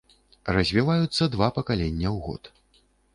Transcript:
Развіваюцца два пакалення ў год.